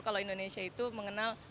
kalau indonesia itu mengenal